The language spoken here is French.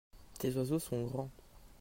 tes oiseaux sont grands.